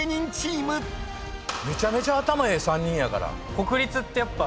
めちゃめちゃ頭ええ３人やから。